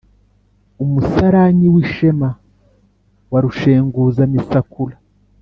Umurasanyi w’ ishema wa rushenguzamisakura